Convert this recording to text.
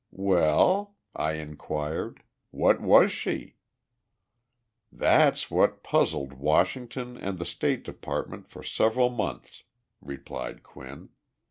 "Well," I inquired, "what was she?" "That's what puzzled Washington and the State Department for several months," replied Quinn.